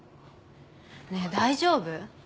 ねぇ大丈夫？